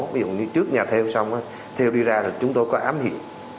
ví dụ trước nhà thêu xong thêu đi ra rồi chúng tôi có ám hiệu